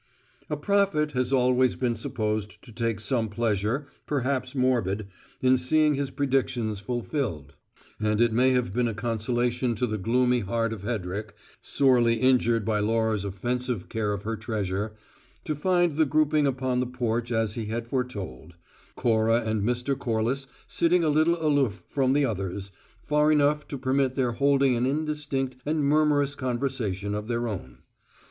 A prophet has always been supposed to take some pleasure, perhaps morbid, in seeing his predictions fulfilled; and it may have been a consolation to the gloomy heart of Hedrick, sorely injured by Laura's offensive care of her treasure, to find the grouping upon the porch as he had foretold: Cora and Mr. Corliss sitting a little aloof from the others, far enough to permit their holding an indistinct and murmurous conversation of their own.